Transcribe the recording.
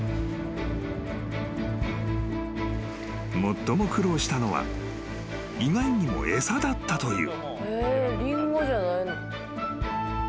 ［最も苦労したのは意外にも餌だったという］